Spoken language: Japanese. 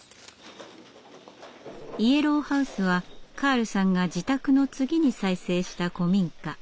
イエローハウスはカールさんが自宅の次に再生した古民家。